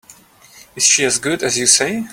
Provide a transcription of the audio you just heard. Is she as good as you say?